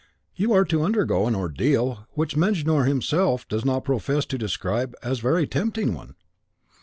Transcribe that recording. You are to undergo an ordeal which Mejnour himself does not profess to describe as a very tempting one.